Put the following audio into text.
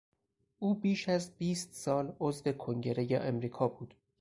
او بیش از بیست سال عضو کنگرهی امریکا بود.